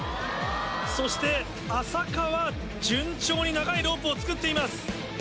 そして安積は順調に長いロープを作っています。